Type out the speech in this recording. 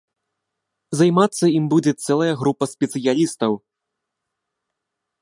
Займацца ім будзе цэлая група спецыялістаў.